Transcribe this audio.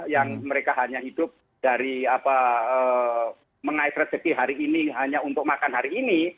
yang mereka hanya hidup dari mengais rezeki hari ini hanya untuk makan hari ini